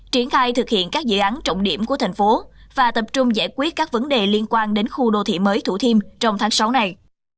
triển khai thực hiện các dự án trọng điểm của thành phố và tập trung giải quyết các vấn đề liên quan đến khu đô thị mới thủ thiêm trong tháng sáu này